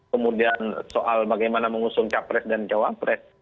kemudian soal bagaimana mengusung capres dan jawa pres